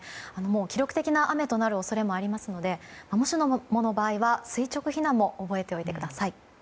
記録的な雨になる恐れもありますのでもしもの場合は垂直避難も覚えておいてください。